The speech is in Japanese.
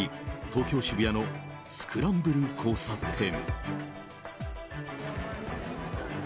東京・渋谷のスクランブル交差点。